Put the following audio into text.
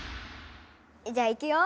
じゃあいくよ？